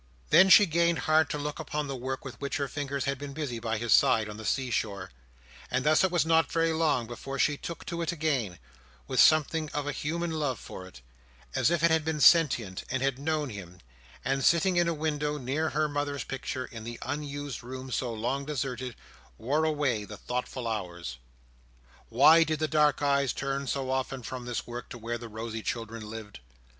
Thus she gained heart to look upon the work with which her fingers had been busy by his side on the sea shore; and thus it was not very long before she took to it again—with something of a human love for it, as if it had been sentient and had known him; and, sitting in a window, near her mother's picture, in the unused room so long deserted, wore away the thoughtful hours. Why did the dark eyes turn so often from this work to where the rosy children lived?